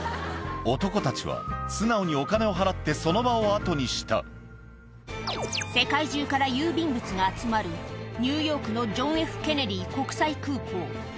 男たちは素直にお金を払って、世界中から郵便物が集まる、ニューヨークのジョン・Ｆ・ケネディ国際空港。